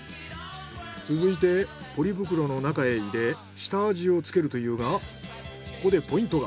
続いてポリ袋の中へ入れ下味をつけるというがここでポイントが。